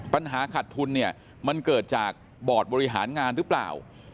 ปัญหาขัดทุนเนี่ยมันเกิดจากบอร์ดบริหารงานหรือเปล่า